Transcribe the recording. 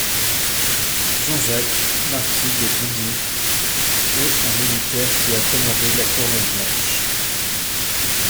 Jean-Jacques, marquis de Bougy, est un militaire qui a commandé la Cornette blanche.